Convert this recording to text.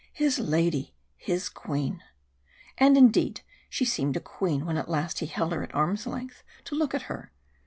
His lady! His Queen! And, indeed, she seemed a queen when at last he held her at arms' length to look at her.